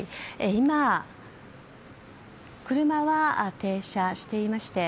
今、車は停車していまして。